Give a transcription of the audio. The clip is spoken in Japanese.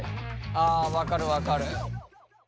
あ分かる分かる。